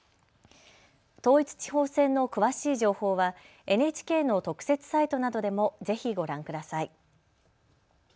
統一地方選の詳しい情報はＮＨＫの特設サイトなどでもぜひご覧ください。